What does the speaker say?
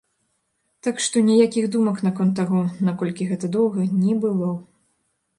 Так што, ніякіх думак наконт таго, наколькі гэта доўга, не было.